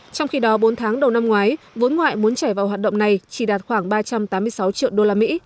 trong khi đó bốn tháng đầu năm ngoái vốn ngoại muốn chảy vào hoạt động này chỉ đạt khoảng ba trăm tám mươi sáu triệu usd